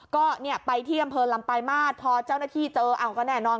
ก็เนี่ยไปที่อำเภอลำปลายมาสพเจ้าหน้าที่เจออ้าวก็แน่นอน